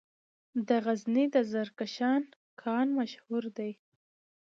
د غزني د زرکشان کان مشهور دی